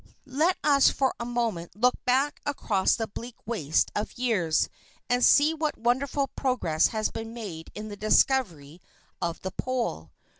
Let us for a moment look back across the bleak waste of years and see what wonderful progress has been made in the discovery of the pole.